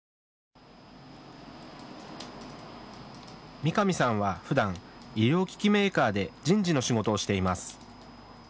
三上さんはふだん医療機器メーカーで人事の仕事をしています。